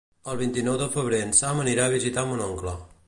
El vint-i-nou de febrer en Sam anirà a visitar mon oncle.